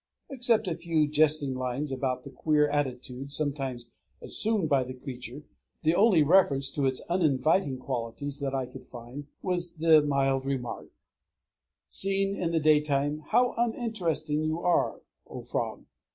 Except a few jesting lines about the queer attitudes sometimes assumed by the creature, the only reference to its uninviting qualities that I could find was the mild remark, _Seen in the daytime, how uninteresting you are, O frog!